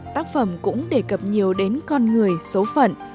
tác phẩm cũng đề cập nhiều đến con người số phận